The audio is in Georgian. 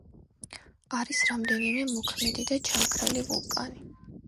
არის რამდენიმე მოქმედი და ჩამქრალი ვულკანი.